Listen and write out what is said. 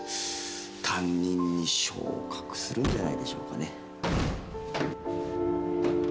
担任に昇格するんじゃないでしょうかね。